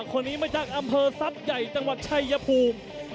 คนนี้มาจากอำเภอทรัพย์ใหญ่จังหวัดชัยภูมิ